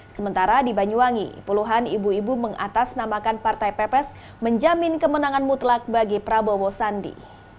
sementara di banyuwangi puluhan ibu ibu mengatasnamakan partai pepes menjamin kemenangan mutlak bagi prabowo sandi